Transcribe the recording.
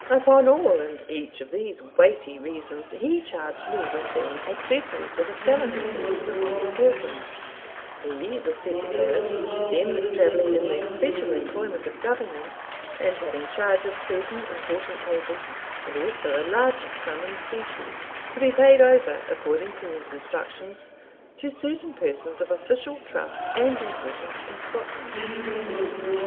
Upon all and each of these weighty reasons, he charged me with being accessory to the felony committed upon his person; he, the said declarant, then travelling in the special employment of Government, and having charge of certain important papers, and also a large sum in specie, to be paid over, according to his instructions, to certain persons of official trust and importance in Scotland.